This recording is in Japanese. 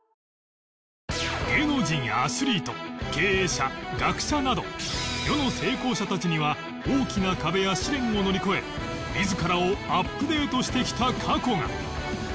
芸能人やアスリート経営者学者など世の成功者たちには大きな壁や試練を乗り越え自らをアップデートしてきた過去が